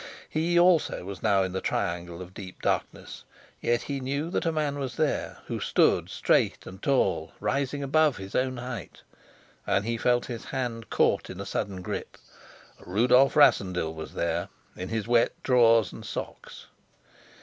He also was now in the triangle of deep darkness, yet he knew that a man was there, who stood straight and tall, rising above his own height. And he felt his hand caught in a sudden grip. Rudolf Rassendyll was there, in his wet drawers and socks.